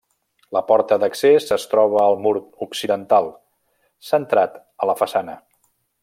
La porta d'accés es troba al mur occidental, centrat a la façana.